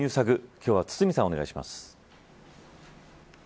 今日は堤さん、お願いします。